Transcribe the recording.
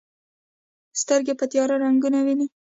سترګې په تیاره رنګونه ویني.